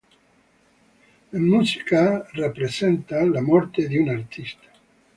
La musica rappresenta la morte di un artista.